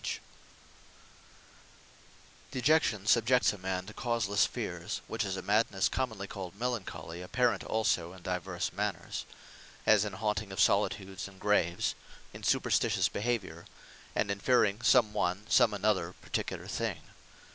Melancholy Dejection, subjects a man to causelesse fears; which is a Madnesse commonly called MELANCHOLY, apparent also in divers manners; as in haunting of solitudes, and graves; in superstitious behaviour; and in fearing some one, some another particular thing.